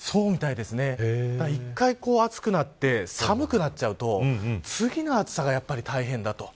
１回、暑くなって寒くなっちゃうと次の暑さが、やっぱり大変だと。